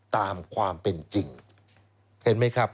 ตามความเป็นจริงเห็นไหมครับ